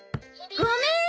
ごめーん！